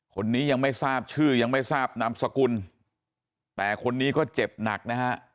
คนนี้ยังไม่ทราบชื่อยังไม่ทราบนามสกุลแต่คนนี้ก็เจ็บหนักนะฮะ